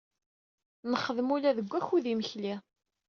Nexdem ula deg wakud n yimekli.